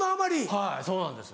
はいそうなんです。